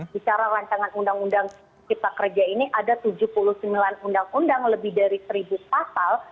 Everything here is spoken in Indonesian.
bicara rancangan undang undang cipta kerja ini ada tujuh puluh sembilan undang undang lebih dari seribu pasal